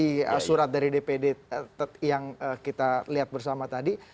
baca apa rekomendasi surat dari dpd yang kita lihat bersama tadi